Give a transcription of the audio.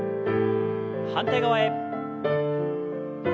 反対側へ。